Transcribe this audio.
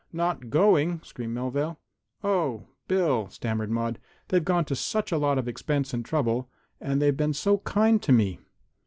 "Not going!" screamed Melvale. "Oh! Bill," stammered Maude, "they've gone to such a lot of expense and trouble! And they've been so kind to me!"